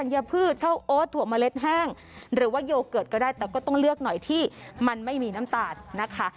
ยูเกิร์ตก็ได้แต่ก็ต้องเลือกหน่อยที่มันไม่มีน้ำตาลนะคะ